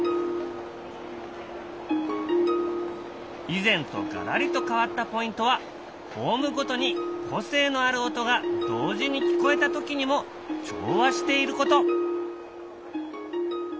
以前とガラリと変わったポイントはホームごとに個性のある音が同時に聞こえた時にも調和していること。